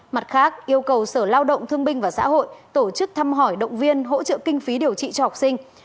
mặt khác yêu cầu sở lao động thương binh và xã hội tổ chức thăm hỏi động viên hỗ trợ kinh phí điều trị cho học sinh